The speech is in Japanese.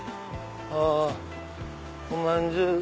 あおまんじゅう。